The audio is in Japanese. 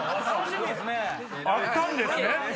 あったんですね！